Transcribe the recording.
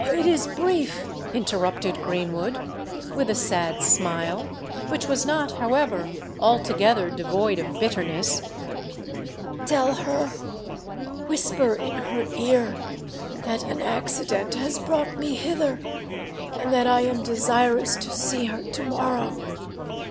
it is brief," interrupted Greenwood, with a sad smile, which was not, however, altogether devoid of bitterness: "tell her—whisper in her ear—that an accident has brought me hither, and that I am desirous to see her to morrow.